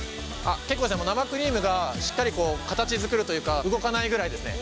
結構生クリームがしっかり形づくるというか動かないぐらいですね。